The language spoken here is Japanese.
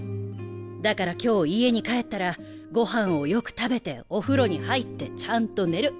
だから今日家に帰ったらご飯をよく食べてお風呂に入ってちゃんと寝る。